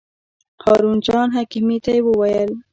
هارون جان حکیمي ته یې وویل.